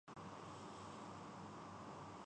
Pakistan television کے یادگار ڈرامے